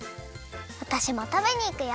わたしもたべにいくよ！